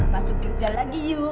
masuk kerja lagi yu